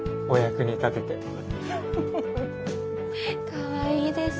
かわいいです。